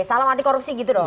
salam anti korupsi gitu dong